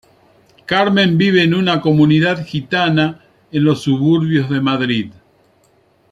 Carmen vive en una comunidad gitana en los suburbios de Madrid.